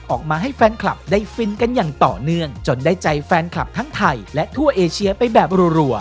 ออกมาให้แฟนคลับได้ฟินกันอย่างต่อเนื่องจนได้ใจแฟนคลับทั้งไทยและทั่วเอเชียไปแบบรัว